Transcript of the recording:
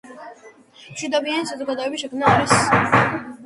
მშვიდობიანი საზოგადოების შექმნა არის ზოგადსაკაცობრიო ამოცანა.